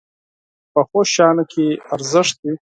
پخو شیانو کې ارزښت وي